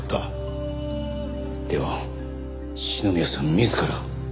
では篠宮さんは自ら。